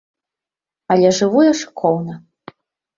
Але жыву я шыкоўна.